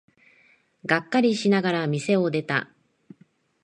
がっかりしながら店を出た。